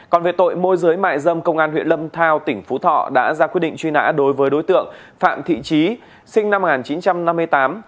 còn về tội môi giới mại dâm công an huyện lâm thao tỉnh phú thọ đã ra quyết định truy nã đối với đối tượng phạm thị trí sinh năm một nghìn chín trăm năm mươi tám